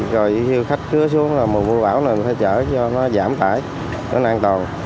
rồi khi khách cứa xuống mưa bão này mình phải chở cho nó giảm tải cho nó an toàn